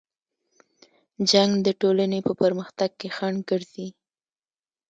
جنګ د ټولنې په پرمختګ کې خنډ ګرځي.